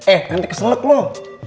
eh nanti keselak lo